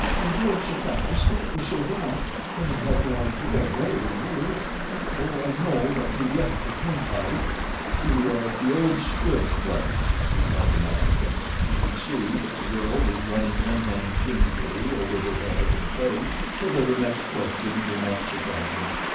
"They drove so fast and it was so dark that I had no idea where we were, though I know that we left the turnpike." "We are at the old Squibbs place," replied the man. He could see that the girl was running one hand gingerly over her head and face, so that her next question did not surprise him.